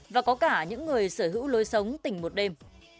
và có cả những người sở hữu lối sống tỉnh một đêm